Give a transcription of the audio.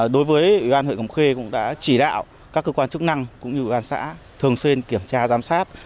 đối với ưu an huyện cầm khê cũng đã chỉ đạo các cơ quan chức năng cũng như ưu an xã thường xuyên kiểm tra giám sát